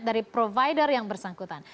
dari provider yang bersangkutan